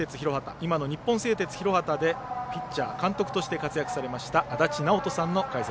今の日本製鉄広畑でピッチャー、監督として活躍されました、足達尚人さんの解説。